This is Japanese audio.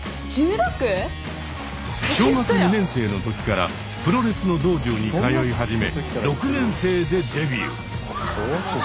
小学２年生の時からプロレスの道場に通い始め６年生でデビュー。